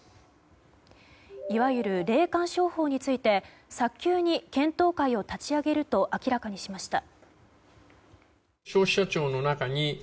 いわゆる霊感商法について早急に検討会を立ち上げると明らかにしました。